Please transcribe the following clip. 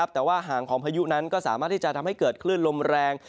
แต่ว่าห่างของพายุนั้นก็สามารถที่จะทำให้เกิดคลื่นลมแรง